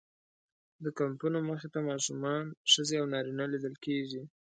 د کمپونو مخې ته ماشومان، ښځې او نارینه لیدل کېږي.